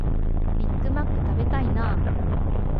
ビッグマック食べたいなあ